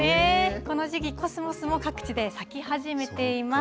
この時期、コスモスも各地で咲き始めています。